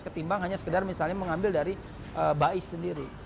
ketimbang hanya sekedar misalnya mengambil dari bais sendiri